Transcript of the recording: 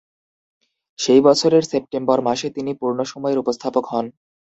সেই বছরের সেপ্টেম্বর মাসে তিনি পূর্ণ-সময়ের উপস্থাপক হন।